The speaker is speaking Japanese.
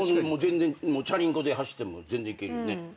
チャリンコで走っても全然行けるよね。